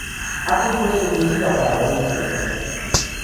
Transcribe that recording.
Ha compuesto música para varias películas.